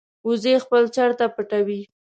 وزې خپل چرته پټوي